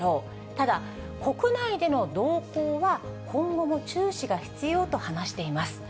ただ、国内での動向は今後も注視が必要と話しています。